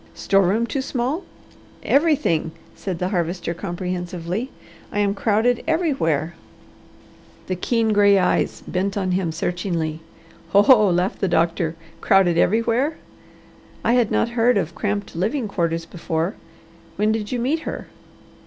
"Store room too small?" "Everything!" said the Harvester comprehensively. "I am crowded everywhere." The keen gray eyes bent on him searchingly. "Ho, ho!" laughed the doctor. "'Crowded everywhere.' I had not heard of cramped living quarters before. When did you meet her?"